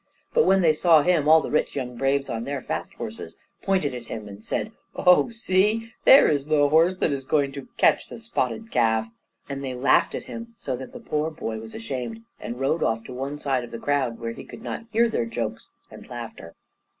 But when they saw him, all the rich young braves on their fast horses pointed at him and said, "Oh, see; there is the horse that is going to catch the spotted calf;" and they laughed at him, so that the poor boy was ashamed, and rode off to one side of the crowd, where he could not hear their jokes and laughter.